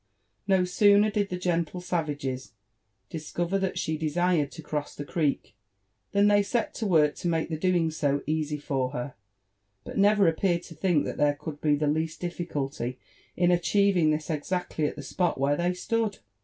No sooner did the gentle savages dis eover that she desired to cross the creek, than they set to work to make the doing so easy for her, but never appeared to th|nk that there could be the least difficulty in achieving this exactly at the spot where they stood.